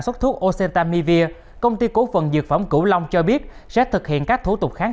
xuất thuốc oceantamivir công ty cổ phần dược phẩm cửu long cho biết sẽ thực hiện các thủ tục kháng